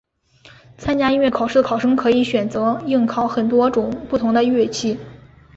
参加音乐考试的考生可以选择应考很多种不同的乐器。